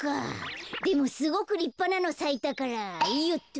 でもすごくりっぱなのさいたからよっと。